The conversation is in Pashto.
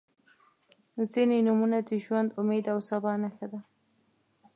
• ځینې نومونه د ژوند، امید او سبا نښه ده.